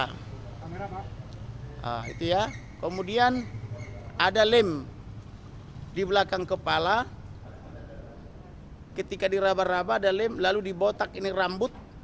nah itu ya kemudian ada lem di belakang kepala ketika dirabah rabah ada lem lalu di botak ini rambut